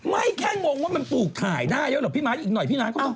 ไม่แค่งงวงว่ามันปลูกถ่ายได้แล้วหรือป๊ิมหาฮีกน้อยพี่มันก็